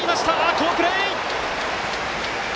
好プレー！